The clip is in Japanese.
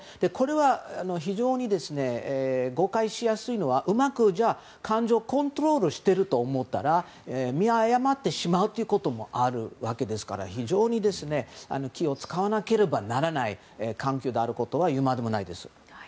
これは非常に誤解しやすいのはうまく感情をコントロールしていると思ったら見誤ってしまうということもあるわけですから非常に気を使わなければならない環境であることは言うまでもないです。